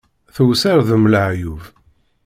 Tewser d mm laɛyub.